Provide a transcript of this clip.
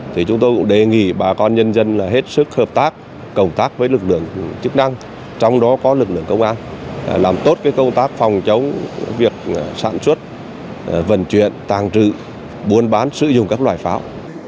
thì chúng tôi cũng đề nghị bà con nhân dân là hết sức hợp tác cộng tác với lực lượng chức năng trong đó có lực lượng công an làm tốt công tác phòng chống việc sản xuất vận chuyển tàng trự buôn bán sử dụng các loài pháo